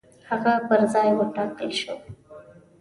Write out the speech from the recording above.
هغه پر ځای وټاکل شو.